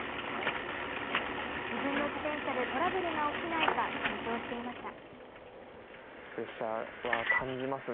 自分の自転車でトラブルが起きないか緊張していました。